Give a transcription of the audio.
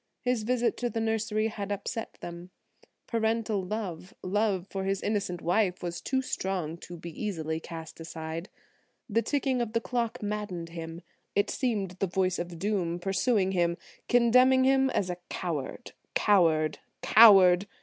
His visit to the nursery had upset them; parental love, love for his innocent wife, was too strong to be easily cast aside. The ticking of the clock maddened him. It seemed the voice of doom pursuing him–condemning him as a coward–coward–coward.